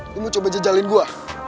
lu mau coba jejalin gua